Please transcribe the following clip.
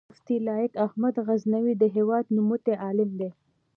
مفتي لائق احمد غزنوي د هېواد نوموتی عالم دی